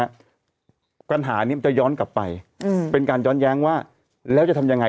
ปัญหานี้มันจะย้อนกลับไปอืมเป็นการย้อนแย้งว่าแล้วจะทำยังไง